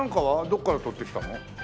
どこから取ってきたの？